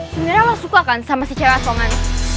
sebenernya lo suka kan sama si cera songan